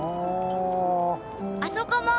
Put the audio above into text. あそこも！